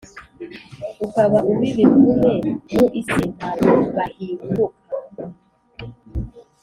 ukaba uw ibivume mu isi Ntabwo bahinguka